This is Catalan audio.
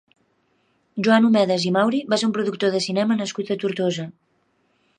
Joan Homedes i Mauri va ser un productor de cinema nascut a Tortosa.